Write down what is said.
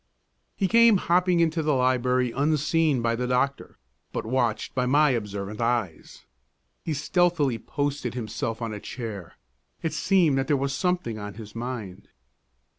He came hopping into the library, unseen by the doctor, but watched by my observant eyes. He stealthily posted himself on a chair; it seemed that there was something on his mind.